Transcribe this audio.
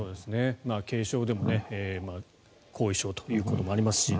軽症でも後遺症ということもあります